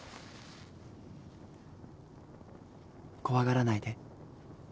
怖がらないで。